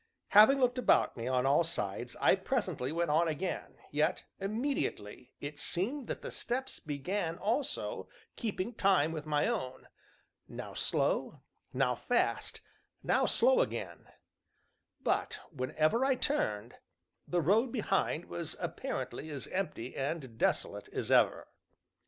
Having looked about me on all sides, I presently went on again, yet, immediately, it seemed that the steps began also, keeping time with my own, now slow, now fast, now slow again; but, whenever I turned, the road behind was apparently as empty and desolate as ever.